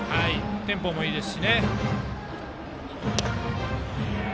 テンポもいいです。